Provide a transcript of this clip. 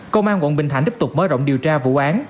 công an quận bình thạnh tiếp tục mở rộng điều tra vụ án